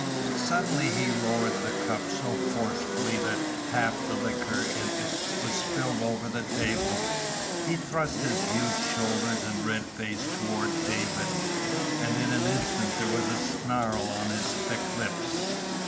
Suddenly he lowered the cup so forcefully that half the liquor in it was spilled over the table. He thrust his huge shoulders and red face toward David, and in an instant there was a snarl on his thick lips.